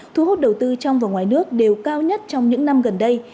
thu hút đầu tư trong và ngoài nước đều cao nhất trong những năm gần đây